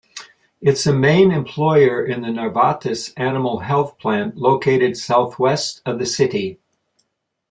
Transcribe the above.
Its main employer is the Novartis Animal Health plant located southwest of the city.